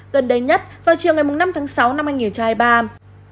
gần đây nhất vào chiều ngày năm tháng sáu năm hai nghìn hai mươi ba